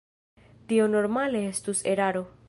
Tio normale estus eraro.